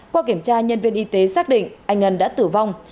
qua kiểm tra nhân viên y tế xác định anh ngân đã tử vong